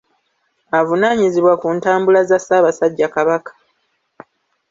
Avunaanyizibwa ku ntambula za Ssaabasajja Kabaka.